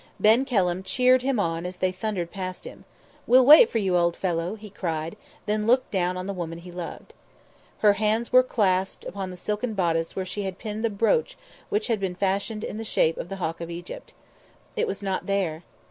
Ben Kelham cheered him on as they thundered past him. "We'll wait for you, old fellow," he cried, then looked down on the woman he loved. Her hands were clasped upon the silken bodice where she had pinned the brooch which had been fashioned in the shape of the Hawk of Egypt. It was not there.